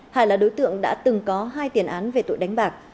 hải là đối tượng đã từng có hai tiền án về tội đánh bạc